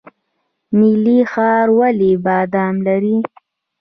نیلي ښار ولې بادام لري؟